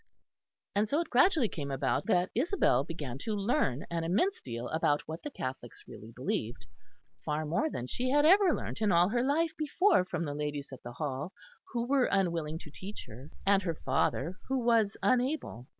And so it gradually came about that Isabel began to learn an immense deal about what the Catholics really believed far more than she had ever learnt in all her life before from the ladies at the Hall, who were unwilling to teach her, and her father, who was unable.